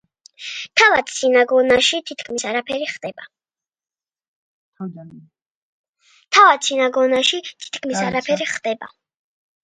თავად სინაგოგაში თითქმის არაფერი ხდება.